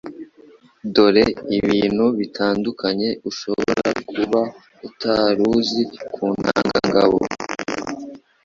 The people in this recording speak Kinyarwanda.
Dore ibintu bitandukanye ushobora kuba utari uzi ku ntangangabo